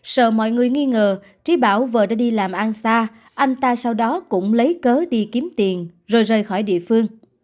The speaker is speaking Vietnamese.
sợ mọi người nghi ngờ trí bảo vợ đã đi làm ăn xa anh ta sau đó cũng lấy cớ đi kiếm tiền rồi rời khỏi địa phương